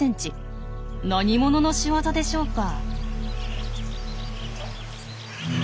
何者の仕業でしょうか？